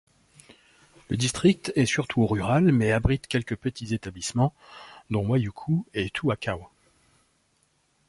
Le district est surtout rural mais abrite quelques petits établissements, dont Waiuku et Tuakau.